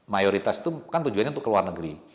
mayoritas itu kan tujuannya untuk ke luar negeri